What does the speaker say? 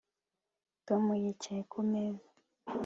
Tom yicaye kumeza